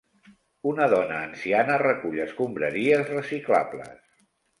Una dona anciana recull escombraries reciclables.